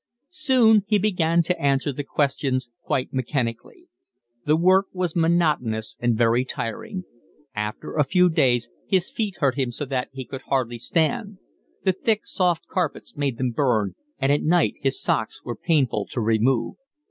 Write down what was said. Soon he began to answer the questions quite mechanically. The work was monotonous and very tiring. After a few days his feet hurt him so that he could hardly stand: the thick soft carpets made them burn, and at night his socks were painful to remove.